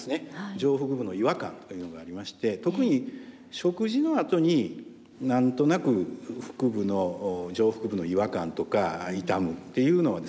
上腹部の違和感というのがありまして特に食事の後に何となく腹部の上腹部の違和感とか痛むっていうのはですね